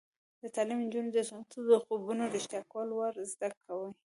تعلیم نجونو ته د خوبونو رښتیا کول ور زده کوي.